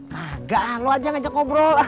kagah lo aja yang ajak ngobrol